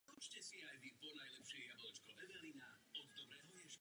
Čeho chceme v Soulu dosáhnout?